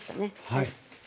はい。